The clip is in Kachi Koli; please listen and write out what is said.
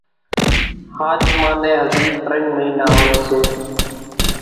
ۿاچمان نين ھزي ترڃ مئينا ھوئي سي